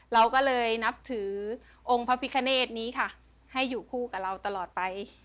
เราก็เลยนับถือองค์พระพิคเนตนี้ค่ะให้อยู่คู่กับเราตลอดไป